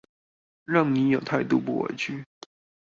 讓你有態度不委曲